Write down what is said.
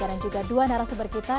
dan juga dua narasumber kita